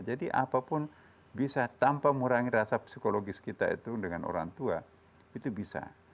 jadi apapun bisa tanpa mengurangi rasa psikologis kita itu dengan orang tua itu bisa